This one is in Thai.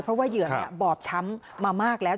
เพราะว่าเหยื่อบอบช้ำมามากแล้ว